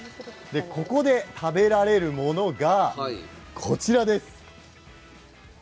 ここで食べられるものがこちらです。